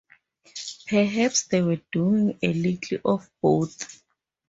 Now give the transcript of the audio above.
Perhaps they were doing a little of both.